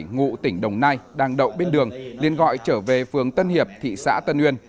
ngụ tỉnh đồng nai đang đậu bên đường liên gọi trở về phường tân hiệp thị xã tân uyên